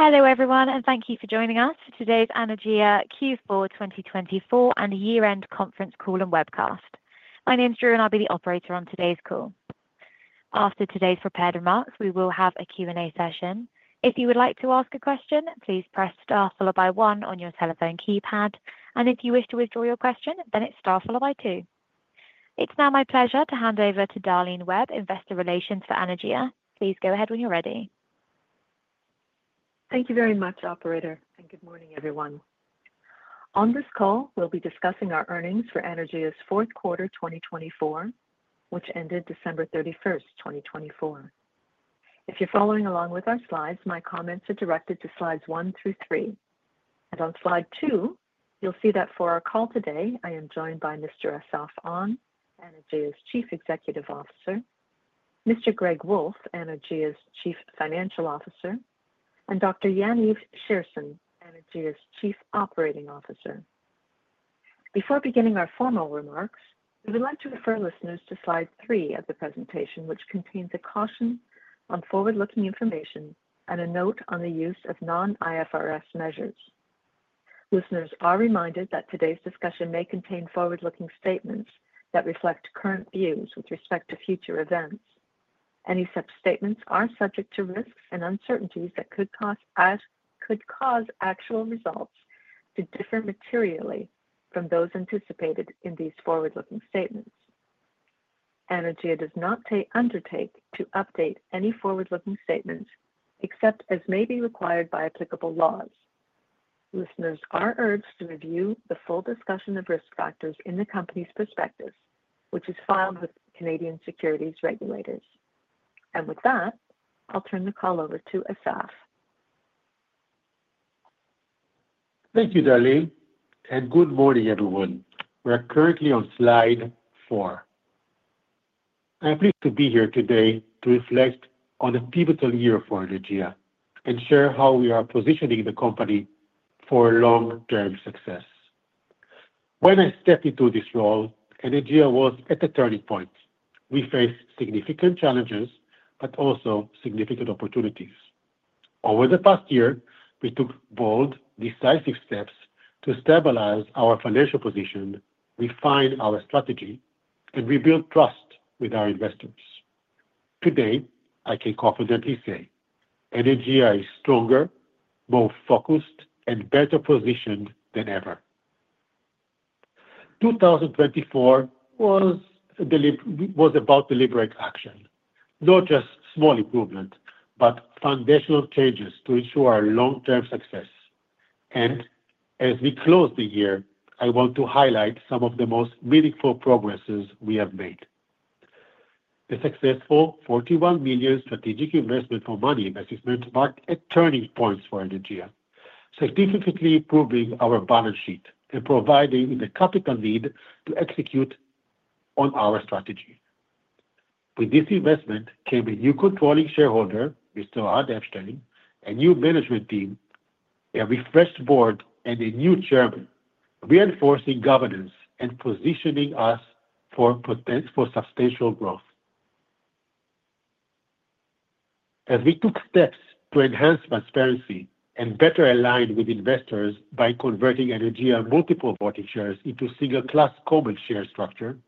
Hello everyone, and thank you for joining us for today's Anaergia Q4 2024 and Year-End Conference Call and Webcast. My name's Drew, and I'll be the operator on today's call. After today's prepared remarks, we will have a Q&A session. If you would like to ask a question, please press star followed by 1 on your telephone keypad, and if you wish to withdraw your question, then it's star followed by 2. It's now my pleasure to hand over to Darlene Webb, Investor Relations for Anaergia. Please go ahead when you're ready. Thank you very much, Operator, and good morning everyone. On this call, we'll be discussing our earnings for Anaergia's Q4 2024, which ended December 31st 2024. If you're following along with our slides, my comments are directed to slides one through three. On slide two, you'll see that for our call today, I am joined by Mr. Assaf Onn, Anaergia's Chief Executive Officer, Mr. Greg Wolf, Anaergia's Chief Financial Officer, and Dr. Yaniv Scherson, Anaergia's Chief Operating Officer. Before beginning our formal remarks, we would like to refer listeners to slide three of the presentation, which contains a caution on forward-looking information and a note on the use of non-IFRS measures. Listeners are reminded that today's discussion may contain forward-looking statements that reflect current views with respect to future events. Any such statements are subject to risks and uncertainties that could cause actual results to differ materially from those anticipated in these forward-looking statements. Anaergia does not undertake to update any forward-looking statements except as may be required by applicable laws. Listeners are urged to review the full discussion of risk factors in the company's prospectus, which is filed with Canadian Securities Regulators. With that, I'll turn the call over to Assaf. Thank you, Darlene, and good morning everyone. We're currently on slide four. I'm pleased to be here today to reflect on a pivotal year for Anaergia and share how we are positioning the company for long-term success. When I stepped into this role, Anaergia was at a turning point. We faced significant challenges, but also significant opportunities. Over the past year, we took bold, decisive steps to stabilize our financial position, refine our strategy, and rebuild trust with our investors. Today, I can confidently say Anaergia is stronger, more focused, and better positioned than ever. 2024 was about deliberate action, not just small improvements, but foundational changes to ensure our long-term success. As we close the year, I want to highlight some of the most meaningful progresses we have made. The successful $41 million strategic investment from Marny Investissements marked turning points for Anaergia, significantly improving our balance sheet and providing the capital needed to execute on our strategy. With this investment came a new controlling shareholder, Mr. Ohad Epschtein, a new management team, a refreshed board, and a new chairman, reinforcing governance and positioning us for substantial growth. As we took steps to enhance transparency and better align with investors by converting Anaergia's multiple voting shares into a single-class common share structure,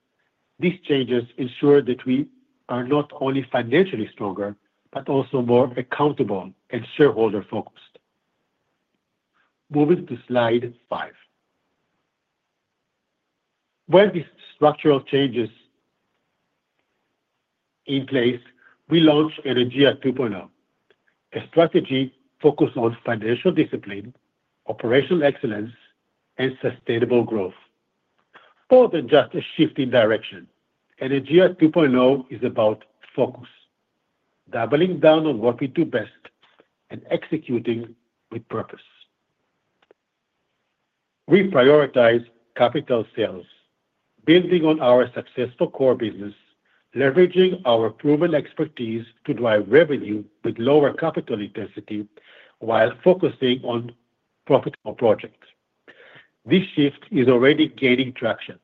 these changes ensured that we are not only financially stronger, but also more accountable and shareholder-focused. Moving to slide five. When these structural changes were in place, we launched Anaergia 2.0, a strategy focused on financial discipline, operational excellence, and sustainable growth. More than just a shift in direction, Anaergia 2.0 is about focus, doubling down on what we do best, and executing with purpose. We prioritize capital sales, building on our successful core business, leveraging our proven expertise to drive revenue with lower capital intensity while focusing on profitable projects. This shift is already gaining traction,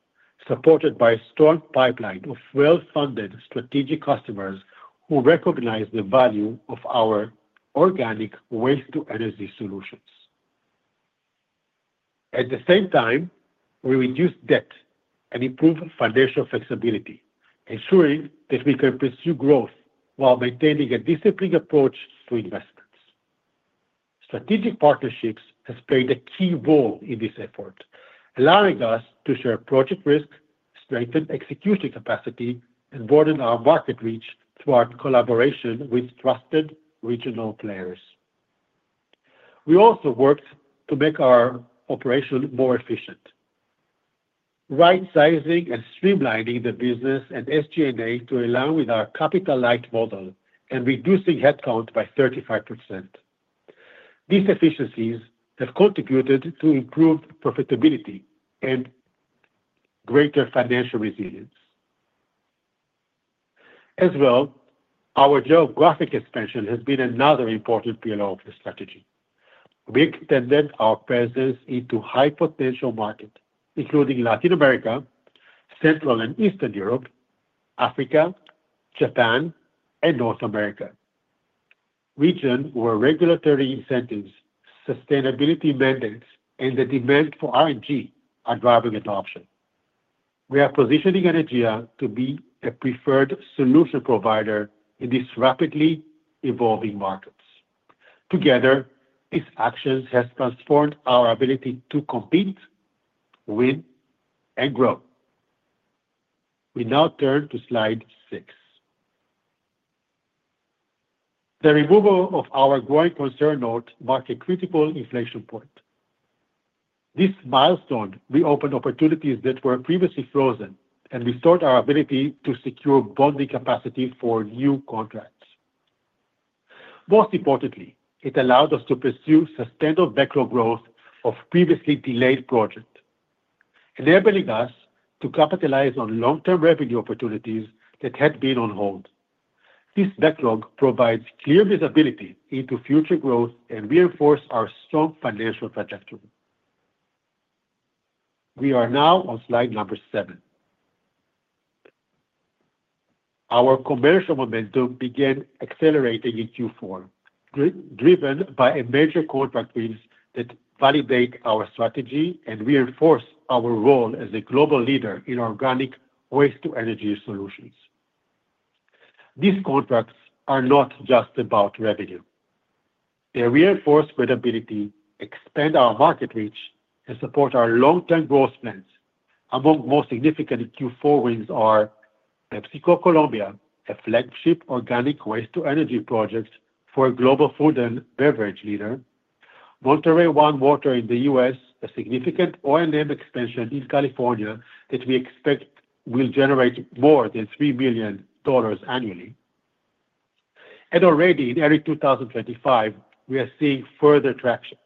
supported by a strong pipeline of well-funded strategic customers who recognize the value of our organic waste-to-energy solutions. At the same time, we reduce debt and improve financial flexibility, ensuring that we can pursue growth while maintaining a disciplined approach to investments. Strategic partnerships have played a key role in this effort, allowing us to share project risk, strengthen execution capacity, and broaden our market reach through collaboration with trusted regional players. We also worked to make our operation more efficient, right-sizing and streamlining the business and SG&A to align with our capital light model and reducing headcount by 35%. These efficiencies have contributed to improved profitability and greater financial resilience. As well, our geographic expansion has been another important pillar of the strategy. We extended our presence into high-potential markets, including Latin America, Central and Eastern Europe, Africa, Japan, and North America, regions where regulatory incentives, sustainability mandates, and the demand for RNG are driving adoption. We are positioning Anaergia to be a preferred solution provider in these rapidly evolving markets. Together, these actions have transformed our ability to compete, win, and grow. We now turn to slide six. The removal of our going concern note marked a critical inflection point. This milestone reopened opportunities that were previously frozen and restored our ability to secure bonding capacity for new contracts. Most importantly, it allowed us to pursue sustainable backlog growth of previously delayed projects, enabling us to capitalize on long-term revenue opportunities that had been on hold. This backlog provides clear visibility into future growth and reinforces our strong financial trajectory. We are now on slide number seven. Our commercial momentum began accelerating in Q4, driven by major contract wins that validate our strategy and reinforce our role as a global leader in organic waste-to-energy solutions. These contracts are not just about revenue. They reinforce credibility, expand our market reach, and support our long-term growth plans. Among the most significant Q4 wins are PepsiCo Colombia, a flagship organic waste-to-energy project for a global food and beverage leader; Monterey One Water in the U.S., a significant O&M expansion in California that we expect will generate more than $3 million annually. Already in early 2025, we are seeing further traction.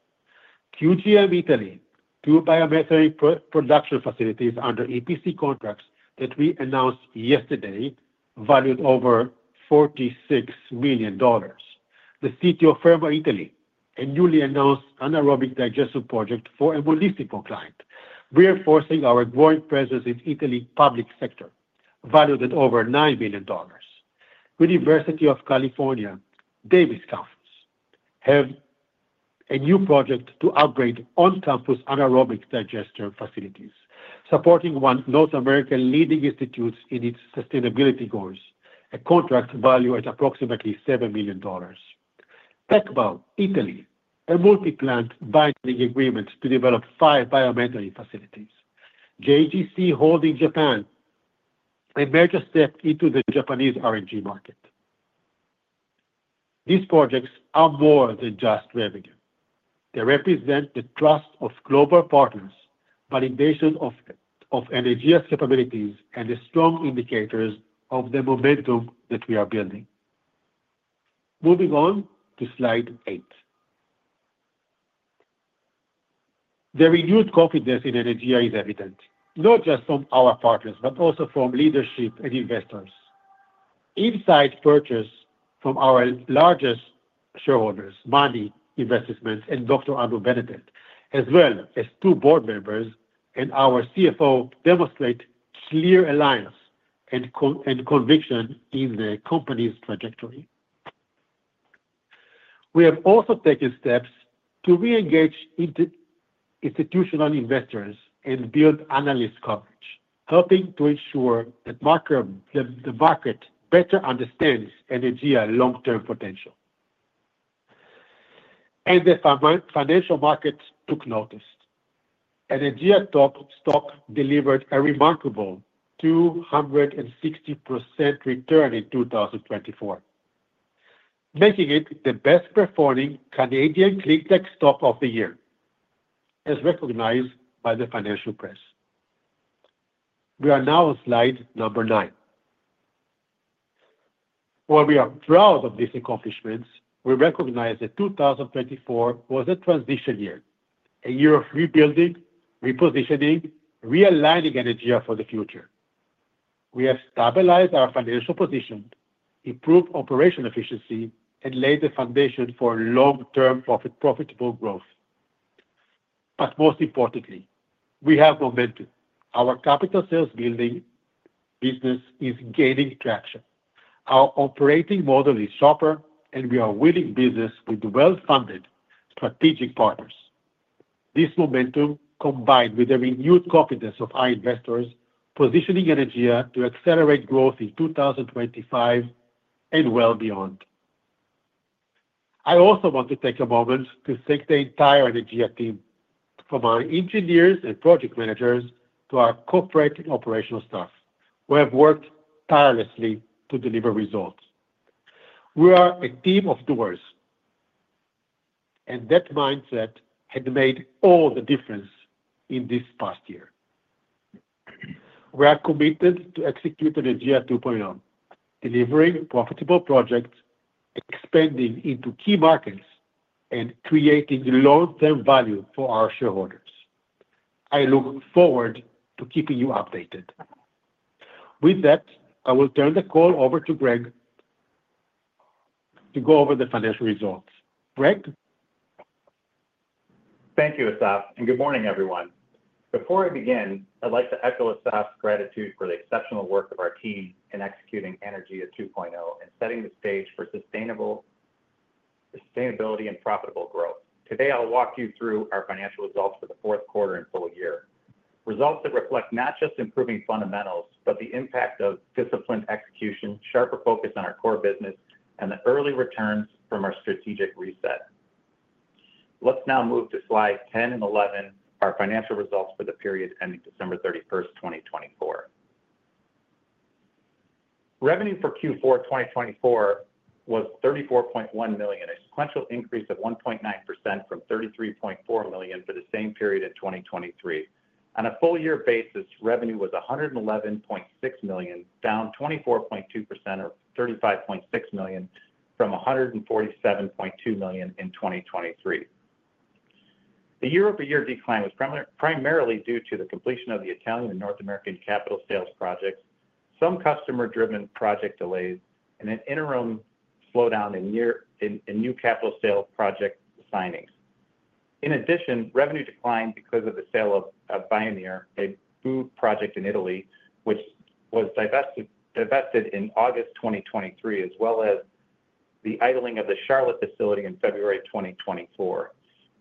QGM Italy, two biomethane production facilities under EPC contracts that we announced yesterday, valued over $46 million. The City of Fermo Italy, a newly announced anaerobic digestion project for a municipal client, reinforcing our growing presence in the Italian public sector, valued at over $9 million. University of California Davis campus has a new project to upgrade on-campus anaerobic digester facilities, supporting one of North America's leading institutes in its sustainability goals, a contract valued at approximately $7 million. Techbau Italy, a multi-plant binding agreement to develop five biomethane facilities. JGC Holdings Japan, a major step into the Japanese RNG market. These projects are more than just revenue. They represent the trust of global partners, validation of Anaergia's capabilities, and strong indicators of the momentum that we are building. Moving on to slide eight. The renewed confidence in Anaergia is evident, not just from our partners, but also from leadership and investors. Inside purchase from our largest shareholders, Marny Investissements and Dr. Andrew Benedek, as well as two board members and our CFO, demonstrate clear alignment and conviction in the company's trajectory. We have also taken steps to reengage institutional investors and build analyst coverage, helping to ensure that the market better understands Anaergia's long-term potential. The financial markets took notice. Anaergia stock delivered a remarkable 260% return in 2024, making it the best-performing Canadian clean tech stock of the year, as recognized by the financial press. We are now on slide number nine. While we are proud of these accomplishments, we recognize that 2024 was a transition year, a year of rebuilding, repositioning, realigning Anaergia for the future. We have stabilized our financial position, improved operational efficiency, and laid the foundation for long-term profitable growth. Most importantly, we have momentum. Our capital sales business is gaining traction. Our operating model is sharper, and we are winning business with well-funded strategic partners. This momentum, combined with the renewed confidence of our investors, is positioning Anaergia to accelerate growth in 2025 and well beyond. I also want to take a moment to thank the entire Anaergia team, from our engineers and project managers to our corporate and operational staff, who have worked tirelessly to deliver results. We are a team of doers, and that mindset has made all the difference in this past year. We are committed to executing Anaergia 2.0, delivering profitable projects, expanding into key markets, and creating long-term value for our shareholders. I look forward to keeping you updated. With that, I will turn the call over to Greg to go over the financial results. Greg. Thank you, Assaf, and good morning, everyone. Before I begin, I'd like to echo Assaf's gratitude for the exceptional work of our team in executing Anaergia 2.0 and setting the stage for sustainability and profitable growth. Today, I'll walk you through our financial results for the fourth quarter and full year, results that reflect not just improving fundamentals, but the impact of disciplined execution, sharper focus on our core business, and the early returns from our strategic reset. Let's now move to slides 10 and 11, our financial results for the period ending December 31st 2024. Revenue for Q4 2024 was $34.1 million, a sequential increase of 1.9% from $33.4 million for the same period in 2023. On a full-year basis, revenue was $111.6 million, down 24.2% or $35.6 million from $147.2 million in 2023. The year-over-year decline was primarily due to the completion of the Italian and North American capital sales projects, some customer-driven project delays, and an interim slowdown in new capital sales project signings. In addition, revenue declined because of the sale of Bioenerys, a BOO project in Italy, which was divested in August 2023, as well as the idling of the Charlotte facility in February 2024,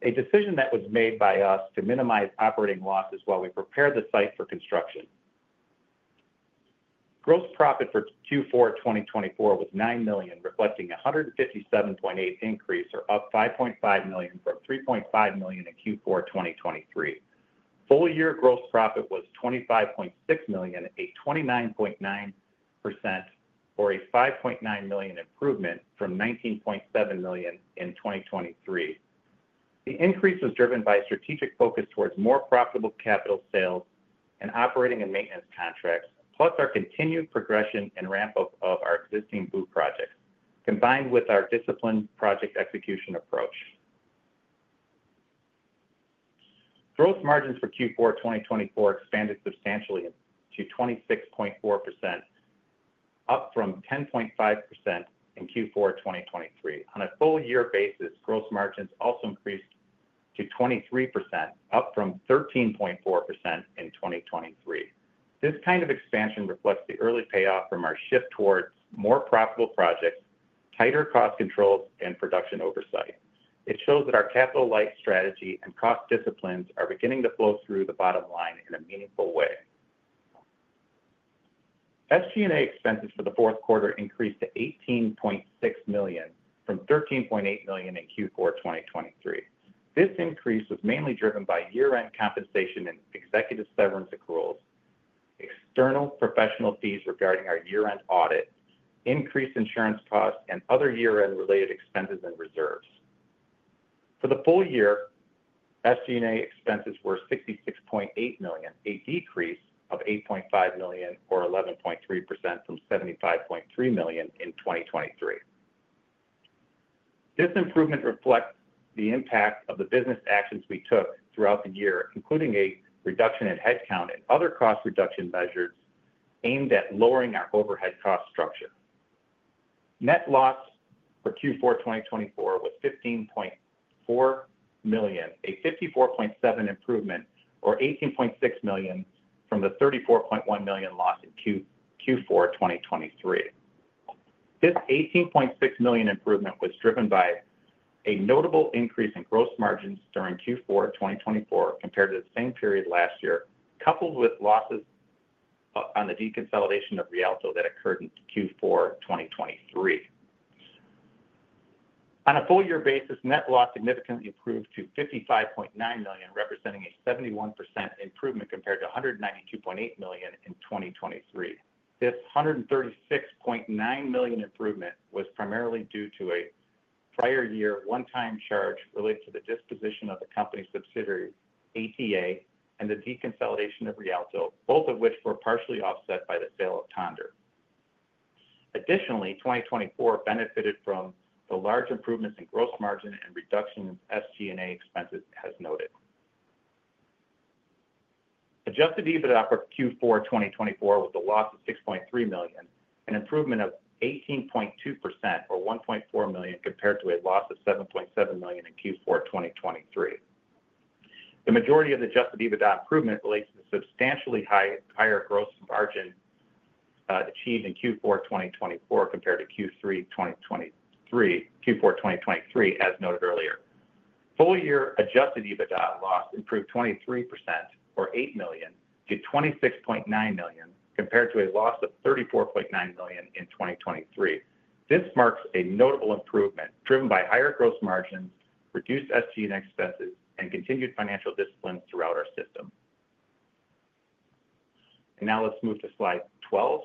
a decision that was made by us to minimize operating losses while we prepared the site for construction. Gross profit for Q4 2024 was $9 million, reflecting a $5.5 million increase from $3.5 million in Q4 2023. Full-year gross profit was $25.6 million, a 29.9% or a $5.9 million improvement from $19.7 million in 2023. The increase was driven by a strategic focus towards more profitable capital sales and operating and maintenance contracts, plus our continued progression and ramp-up of our existing build projects, combined with our disciplined project execution approach. Gross margins for Q4 2024 expanded substantially to 26.4%, up from 10.5% in Q4 2023. On a full-year basis, gross margins also increased to 23%, up from 13.4% in 2023. This kind of expansion reflects the early payoff from our shift towards more profitable projects, tighter cost controls, and production oversight. It shows that our capital light strategy and cost disciplines are beginning to flow through the bottom line in a meaningful way. SG&A expenses for the fourth quarter increased to $18.6 million from $13.8 million in Q4 2023. This increase was mainly driven by year-end compensation and executive severance accruals, external professional fees regarding our year-end audit, increased insurance costs, and other year-end-related expenses and reserves. For the full year, SG&A expenses were $66.8 million, a decrease of $8.5 million or 11.3% from $75.3 million in 2023. This improvement reflects the impact of the business actions we took throughout the year, including a reduction in headcount and other cost reduction measures aimed at lowering our overhead cost structure. Net loss for Q4 2024 was $15.4 million, a $54.7 million improvement or $18.6 million from the $34.1 million loss in Q4 2023. This $18.6 million improvement was driven by a notable increase in gross margins during Q4 2024 compared to the same period last year, coupled with losses on the deconsolidation of Rialto that occurred in Q4 2023. On a full-year basis, net loss significantly improved to $55.9 million, representing a 71% improvement compared to $192.8 million in 2023. This $136.9 million improvement was primarily due to a prior year one-time charge related to the disposition of the company's subsidiary, ATA, and the deconsolidation of Rialto, both of which were partially offset by the sale of Tønder. Additionally, 2024 benefited from the large improvements in gross margin and reduction in SG&A expenses, as noted. Adjusted EBITDA for Q4 2024 was a loss of $6.3 million and an improvement of 18.2% or $1.4 million compared to a loss of $7.7 million in Q4 2023. The majority of the adjusted EBITDA improvement relates to the substantially higher gross margin achieved in Q4 2024 compared to Q4 2023, as noted earlier. Full-year adjusted EBITDA loss improved 23% or $8 million to $26.9 million compared to a loss of $34.9 million in 2023. This marks a notable improvement driven by higher gross margins, reduced SG&A expenses, and continued financial discipline throughout our system. Now let's move to slide 12.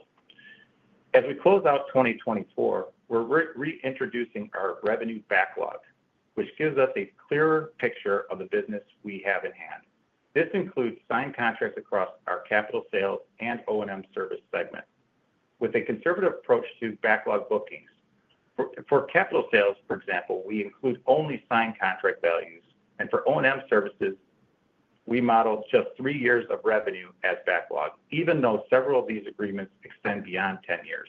As we close out 2024, we're reintroducing our revenue backlog, which gives us a clearer picture of the business we have at hand. This includes signed contracts across our capital sales and O&M service segment, with a conservative approach to backlog bookings. For capital sales, for example, we include only signed contract values, and for O&M services, we model just three years of revenue as backlog, even though several of these agreements extend beyond 10 years.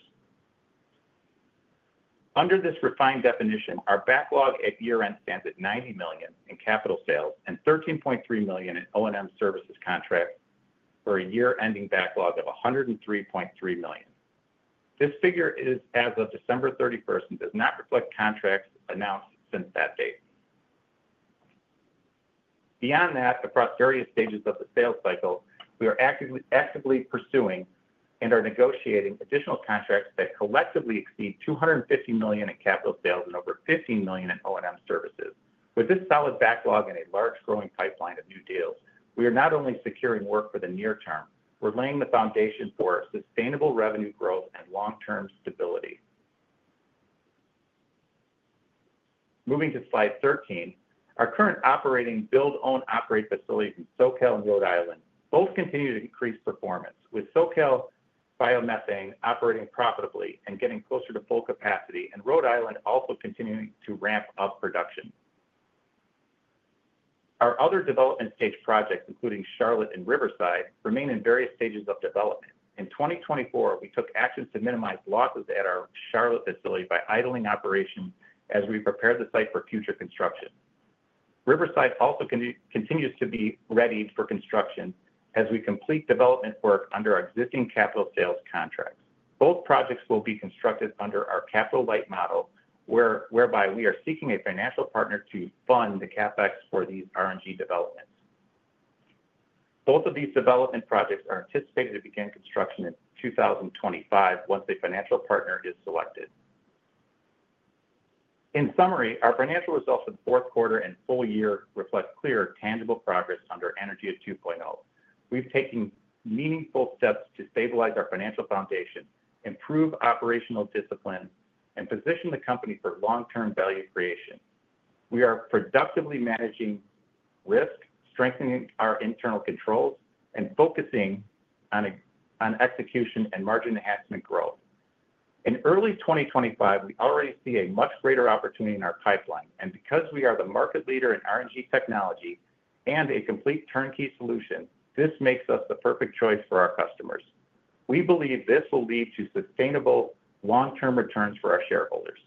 Under this refined definition, our backlog at year-end stands at $90 million in capital sales and $13.3 million in O&M services contracts for a year-ending backlog of $103.3 million. This figure is as of December 31 and does not reflect contracts announced since that date. Beyond that, across various stages of the sales cycle, we are actively pursuing and are negotiating additional contracts that collectively exceed $250 million in capital sales and over $15 million in O&M services. With this solid backlog and a large growing pipeline of new deals, we are not only securing work for the near term, we are laying the foundation for sustainable revenue growth and long-term stability. Moving to slide 13, our current operating build-own-operate facilities in SoCal and Rhode Island both continue to increase performance, with SoCal Biomethane operating profitably and getting closer to full capacity, and Rhode Island also continuing to ramp up production. Our other development-stage projects, including Charlotte and Riverside, remain in various stages of development. In 2024, we took actions to minimize losses at our Charlotte facility by idling operation as we prepared the site for future construction. Riverside also continues to be readied for construction as we complete development work under our existing capital sales contracts. Both projects will be constructed under our capital light model, whereby we are seeking a financial partner to fund the CapEx for these RNG developments. Both of these development projects are anticipated to begin construction in 2025 once a financial partner is selected. In summary, our financial results for the fourth quarter and full year reflect clear, tangible progress under Anaergia 2.0. We've taken meaningful steps to stabilize our financial foundation, improve operational discipline, and position the company for long-term value creation. We are productively managing risk, strengthening our internal controls, and focusing on execution and margin enhancement growth. In early 2025, we already see a much greater opportunity in our pipeline. Because we are the market leader in RNG technology and a complete turnkey solution, this makes us the perfect choice for our customers. We believe this will lead to sustainable long-term returns for our shareholders.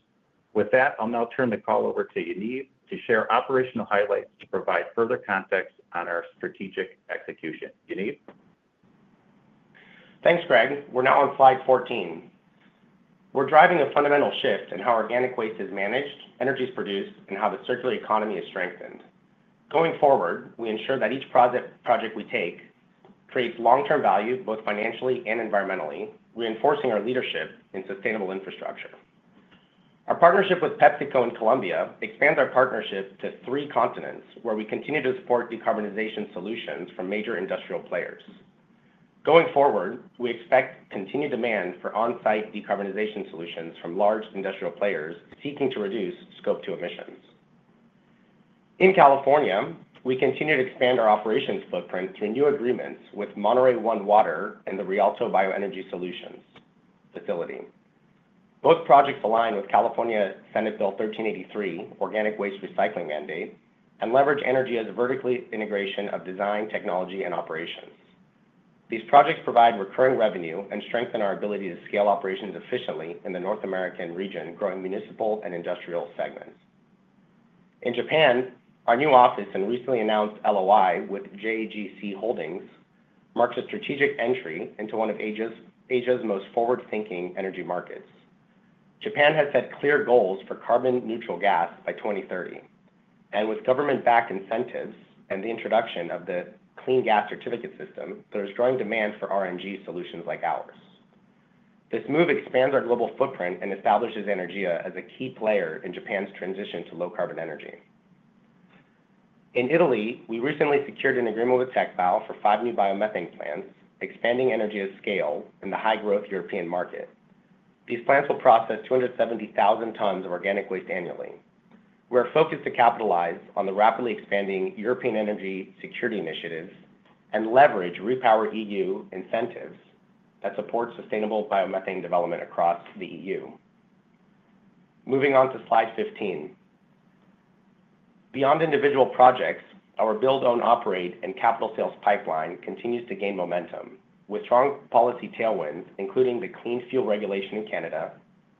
With that, I'll now turn the call over to Yaniv to share operational highlights to provide further context on our strategic execution. Yaniv? Thanks, Greg. We're now on slide 14. We're driving a fundamental shift in how organic waste is managed, energy is produced, and how the circular economy is strengthened. Going forward, we ensure that each project we take creates long-term value, both financially and environmentally, reinforcing our leadership in sustainable infrastructure. Our partnership with PepsiCo in Colombia expands our partnership to three continents, where we continue to support decarbonization solutions from major industrial players. Going forward, we expect continued demand for on-site decarbonization solutions from large industrial players seeking to reduce Scope 2 emissions. In California, we continue to expand our operations footprint through new agreements with Monterey One Water and the Rialto Bioenergy Solutions facility. Both projects align with California Senate Bill 1383, organic waste recycling mandate, and leverage Anaergia's vertical integration of design, technology, and operations. These projects provide recurring revenue and strengthen our ability to scale operations efficiently in the North American region, growing municipal and industrial segments. In Japan, our new office and recently announced LOI with JGC Holdings marks a strategic entry into one of Asia's most forward-thinking energy markets. Japan has set clear goals for carbon-neutral gas by 2030. With government-backed incentives and the introduction of the Clean Gas Certificate System, there is growing demand for RNG solutions like ours. This move expands our global footprint and establishes Anaergia as a key player in Japan's transition to low-carbon energy. In Italy, we recently secured an agreement with Techbau for five new biomethane plants, expanding Anaergia's scale in the high-growth European market. These plants will process 270,000 tons of organic waste annually. We are focused to capitalize on the rapidly expanding European energy security initiatives and leverage REPowerEU incentives that support sustainable biomethane development across the EU. Moving on to slide 15. Beyond individual projects, our build-own-operate and capital sales pipeline continues to gain momentum. With strong policy tailwinds, including the Clean Fuel Regulation in Canada,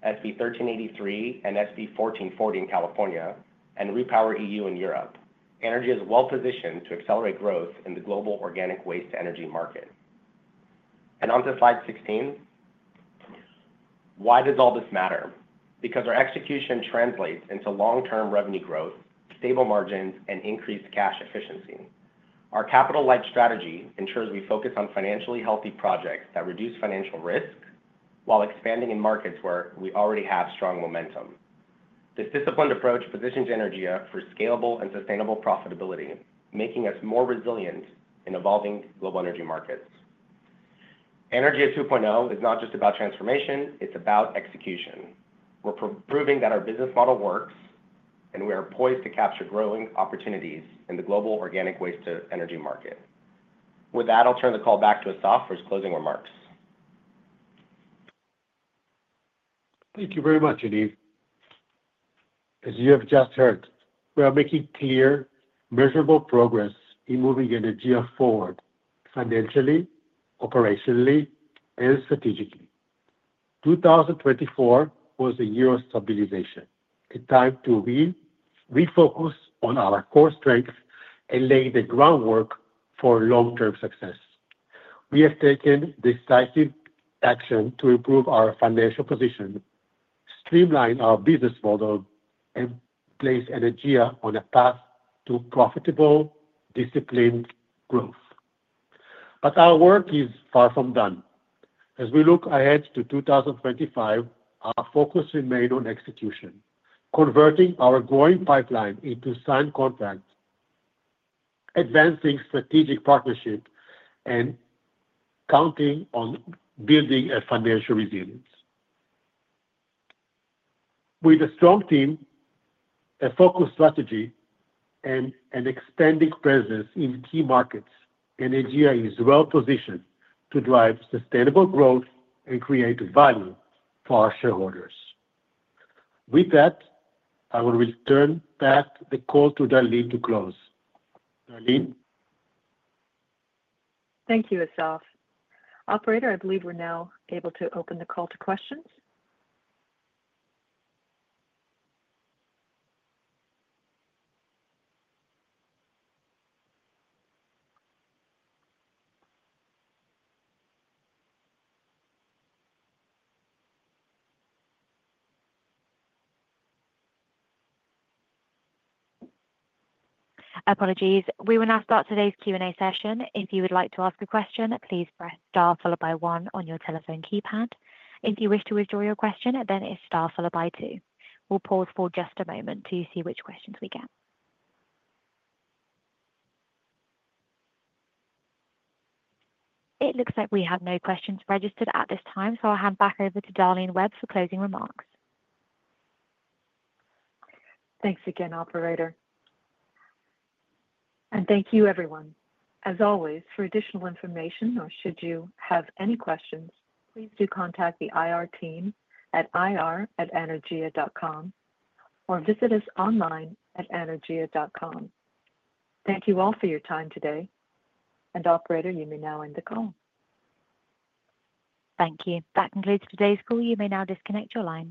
SB 1383, and SB 1440 in California, and REPowerEU in Europe, Anaergia is well-positioned to accelerate growth in the global organic waste energy market. Moving on to slide 16. Why does all this matter? Because our execution translates into long-term revenue growth, stable margins, and increased cash efficiency. Our capital light strategy ensures we focus on financially healthy projects that reduce financial risk while expanding in markets where we already have strong momentum. This disciplined approach positions Anaergia for scalable and sustainable profitability, making us more resilient in evolving global energy markets. Anaergia 2.0 is not just about transformation, it's about execution. We're proving that our business model works, and we are poised to capture growing opportunities in the global organic waste energy market. With that, I'll turn the call back to Assaf for his closing remarks. Thank you very much, Yaniv. As you have just heard, we are making clear, measurable progress in moving Anaergia forward financially, operationally, and strategically. 2024 was a year of stabilization, a time to refocus on our core strengths and lay the groundwork for long-term success. We have taken decisive action to improve our financial position, streamline our business model, and place Anaergia on a path to profitable, disciplined growth. Our work is far from done. As we look ahead to 2025, our focus remains on execution, converting our growing pipeline into signed contracts, advancing strategic partnerships, and counting on building financial resilience. With a strong team, a focused strategy, and an expanding presence in key markets, Anaergia is well-positioned to drive sustainable growth and create value for our shareholders. With that, I will return back the call to Darlene to close. Darlene? Thank you, Assaf. Operator, I believe we're now able to open the call to questions. Apologies. We will now start today's Q&A session. If you would like to ask a question, please press star followed by 1 on your telephone keypad. If you wish to withdraw your question, then it's star followed by 2. We'll pause for just a moment to see which questions we get. It looks like we have no questions registered at this time, so I'll hand back over to Darlene Webb for closing remarks. Thanks again, Operator. Thank you, everyone. As always, for additional information or should you have any questions, please do contact the IR team at ir@anaergia.com or visit us online at anaergia.com. Thank you all for your time today. Operator, you may now end the call. Thank you. That concludes today's call. You may now disconnect your line.